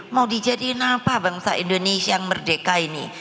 mau dijadiin apa bangsa indonesia yang merdeka ini